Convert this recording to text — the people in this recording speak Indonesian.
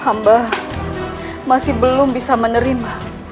hamba masih belum bisa menerima